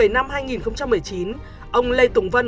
năm hai nghìn một mươi chín ông lê tùng vân